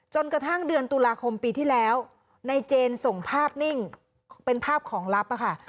จนกระทั่งเดือนตุลาคมปีที่แล้วในเจนส่งภาพนิ่งเป็นภาพของลับค่ะ